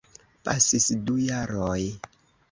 Pasis du jaroj.